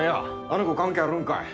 あの子関係あるんかい。